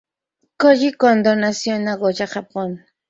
Kōji Kondō nació en Nagoya, Japón.